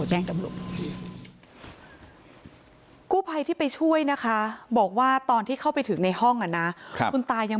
ช่วยนะคะบอกว่าตอนที่เข้าไปถึกในห้องอ่ะน่ะครับคุณตายัง